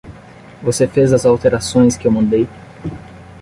Você fez as alterações que eu mandei?